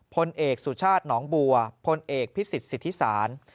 พลเอกสุชาติหนองบัวพลเอกพิสิทธิศาล